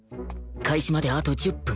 開始まであと１０分